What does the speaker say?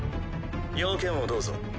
用件をどうぞ。